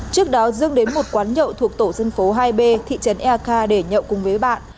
trước đó dương đến một quán nhậu thuộc tổ dân phố hai b thị trấn eak để nhậu cùng với bạn